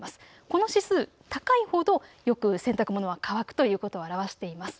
この指数、高いほどよく洗濯物は乾くということを表しています。